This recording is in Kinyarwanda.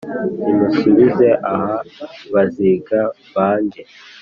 nimusubize aha baziga bange